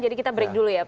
jadi kita break dulu ya